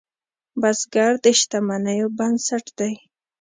بزګر د شتمنیو بنسټ دی